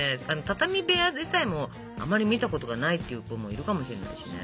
畳部屋でさえもあまり見たことがないっていう子もいるかもしれないしね。